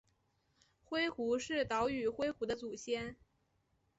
灰狐是岛屿灰狐的祖先。